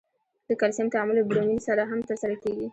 د کلسیم تعامل له برومین سره هم ترسره کیږي.